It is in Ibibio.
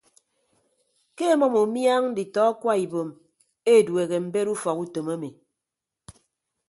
Ke emʌm umiañ nditọ akwa ibom edueehe mbet ufọk utom emi.